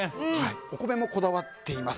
お米もこだわっています。